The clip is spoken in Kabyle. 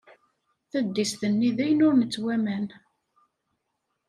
Taddist-nni d ayen ur nettwaman.